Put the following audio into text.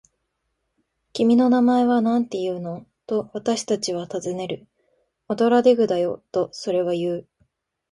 「君の名前はなんていうの？」と、私たちはたずねる。「オドラデクだよ」と、それはいう。